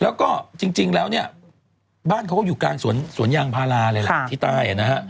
แล้วก็จริงแล้วเนี่ยบ้านเขาก็อยู่กลางสวนยางพาราเลยแหละที่ใต้นะฮะ